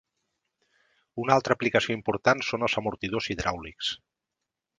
Una altra aplicació important són els amortidors hidràulics.